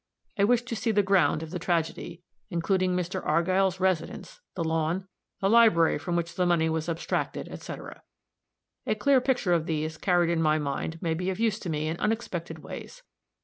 I wish to see the ground of the tragedy, including Mr. Argyll's residence, the lawn, the library from which the money was abstracted, etc. A clear picture of these, carried in my mind, may be of use to me in unexpected ways.